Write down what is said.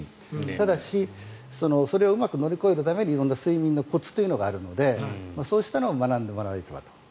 ただしそれをうまく乗り越えるために睡眠のコツというのがあるのでそうしたのを学んでもらえれば。